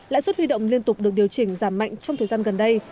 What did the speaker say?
lãi suất huy động liên tục được điều chỉnh giảm mạnh trong thời gian gần đây